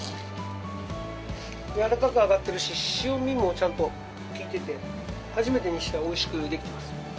柔らかく揚がってるし、塩味もちゃんと効いてて、初めてにしてはおいしく出来てます。